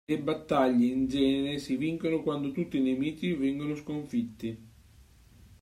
Le battaglie, in genere, si vincono quando tutti i nemici vengono sconfitti.